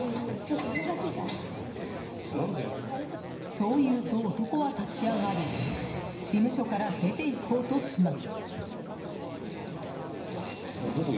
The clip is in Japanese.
そう言うと、男は立ち上がり事務所から出て行こうとします。